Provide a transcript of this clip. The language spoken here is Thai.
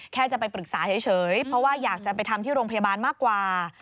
แค่จะไปปรึกษาเฉยเพราะว่าอยากจะไปทำที่โรงพยาบาลมากกว่า